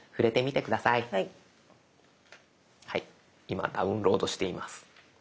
今ダウンロードしています。